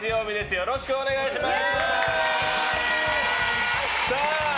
よろしくお願いします！